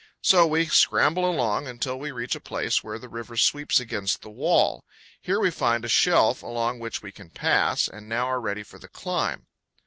So we scramble along, until we reach a place where the river sweeps against the wall. Here we find a shelf along which we can pass, and now are ready for the climb.